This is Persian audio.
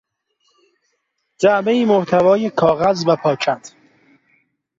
جعبه ای محتوی کاغذ و پاکت